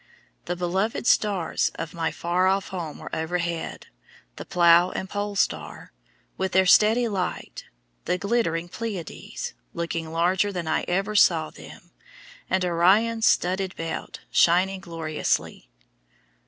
The beloved stars of my far off home were overhead, the Plough and Pole Star, with their steady light; the glittering Pleiades, looking larger than I ever saw them, and "Orion's studded belt" shining gloriously.